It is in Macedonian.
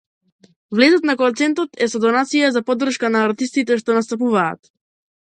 Влезот на концертот е со донација за поддршка на артистите што настапуваат.